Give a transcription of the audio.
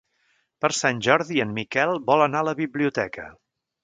Per Sant Jordi en Miquel vol anar a la biblioteca.